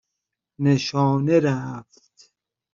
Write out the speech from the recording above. نشانه رفت